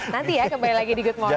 nanti ya kembali lagi di good morni